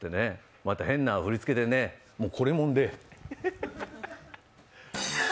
また変な振り付けでね、もうこれもんで。